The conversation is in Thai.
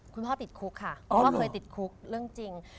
คุณพ่อติดคุกค่ะเพราะว่าเคยติดคุกเรื่องจริง